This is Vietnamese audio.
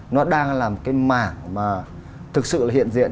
nó đang là một cái mảng mà thực sự là hiện diện